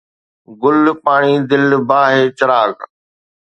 گل، پاڻي، دل، باھ، چراغ